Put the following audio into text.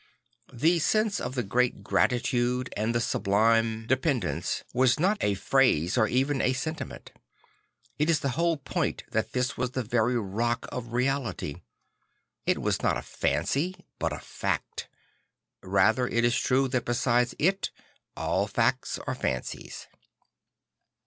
This sense of the great gratitude and the sublime 88 St. Francis of Assist' dependence was not a phrase or even a sentiment; it is the whole point that this was the very rock of reality. It was not a fancy but a fact; rather it is true that beside it all facts are fancies.